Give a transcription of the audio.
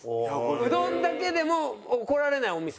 うどんだけでも怒られないお店？